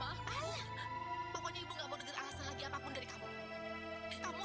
aku akan menikah dengan prayuga